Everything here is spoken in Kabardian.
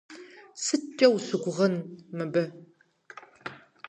СыткӀэ ущыгугъын мыбы?